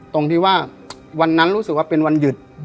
ตรงที่ว่าวันนั้นรู้สึกว่าเป็นวันหยุด